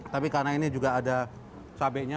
tapi karena ini juga ada cabainya